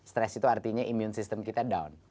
stress itu artinya imun sistem kita down